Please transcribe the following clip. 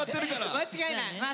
間違いない。